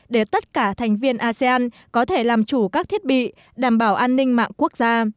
để tất cả thành viên asean có thể làm chủ các thiết bị đảm bảo an ninh mạng quốc gia